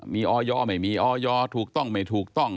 มีออยไม่มีออยถูกต้องไม่ถูกต้อง